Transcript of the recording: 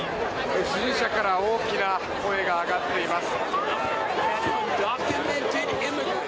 支持者から大きな声が上がっています。